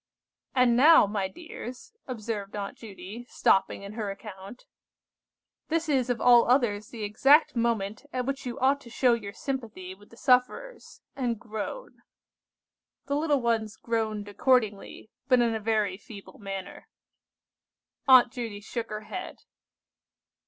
"And now, my dears," observed Aunt Judy, stopping in her account, "this is of all others the exact moment at which you ought to show your sympathy with the sufferers, and groan." The little ones groaned accordingly, but in a very feeble manner. Aunt Judy shook her head.